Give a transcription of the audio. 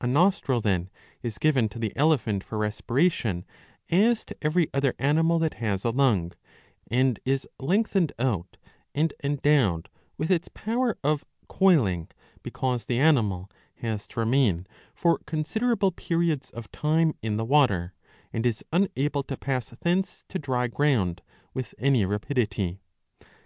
A nostril, then, is given to the elephant for respiration, as to every other animal that has a lung, and is lengthened out and endowed with its power of coiling, because the animal has to remain for considerable periods of time in the water, and is unable to pass thence to dry ground with any rapidity.